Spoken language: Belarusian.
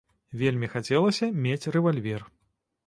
Вельмі хацелася мець рэвальвер.